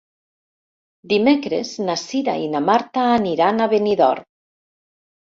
Dimecres na Cira i na Marta aniran a Benidorm.